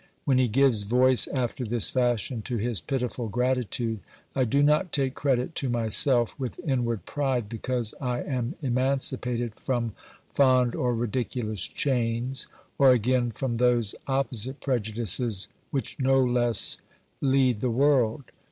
. When he gives voice after this fashion to his pitiful gratitude, I do not take credit to myself with inward pride because I am emancipated from fond or ridiculous chains, or again from those opposite prejudices which no less lead the world.